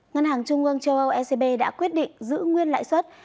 ngân hàng trung ương châu âu ecb đã quyết định giữ nguyên lãi suất